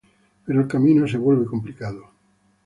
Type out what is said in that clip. Pero el camino se vuelve complicado.